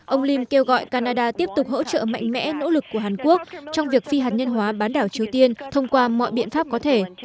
ông lim kêu gọi canada tiếp tục hỗ trợ mạnh mẽ nỗ lực của hàn quốc trong việc phi hạt nhân hóa bán đảo triều tiên thông qua mọi biện pháp có thể